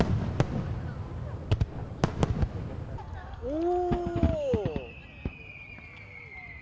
お！